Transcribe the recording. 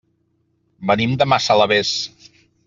Venim de Massalavés.